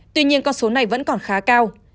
tuy nhiên con số này vẫn còn khá cao